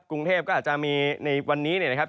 กรุงเทพก็อาจจะมีในวันนี้เนี่ยนะครับ